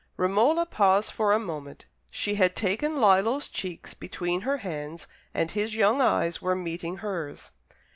Romola paused for a moment. She had taken Lillo's cheeks between her hands, and his young eyes were meeting hers.